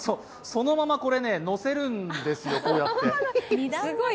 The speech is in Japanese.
そのままこれ、のせるんですよ、こうやって。